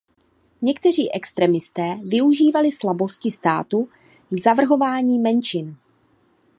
Někteří extremisté využívali slabosti státu k zavrhování menšin.